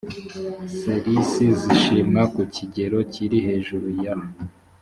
ser isi zishimwa ku kigero kiri hejuru ya